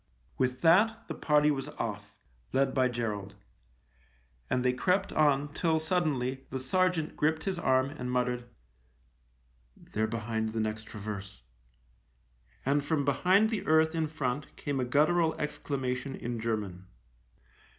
With that the party was off, led by Gerald. And they crept on till, suddenly, the sergeant gripped his arm and muttered :" They're behind the next traverse." And from behind the earth in front came a guttural exclamation in German.